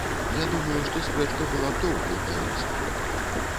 Я думаю, што спрэчка была б доўга ў беларусаў.